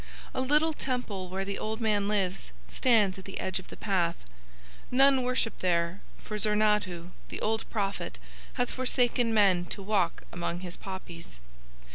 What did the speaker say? A little temple where the old man lives stands at the edge of the path. None worship there, for Zornadhu, the old prophet, hath forsaken men to walk among his poppies.